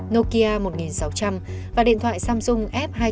nokia một nghìn sáu trăm linh và điện thoại samsung